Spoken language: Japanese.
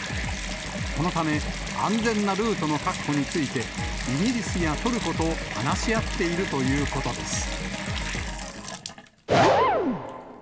このため、安全なルートの確保について、イギリスやトルコと話し合っているということです。